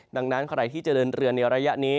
ดังนั้นใครที่จะเดินเรือในระยะนี้